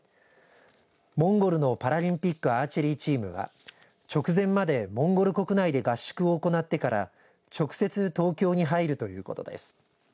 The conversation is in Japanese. モンゴルのパラリンピックアーチェリーチームは直前までモンゴル国内で合宿を行ってから直接東京に入るということです。